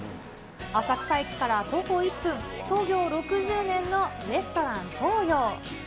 浅草駅から徒歩１分、創業６０年のレストラン東洋。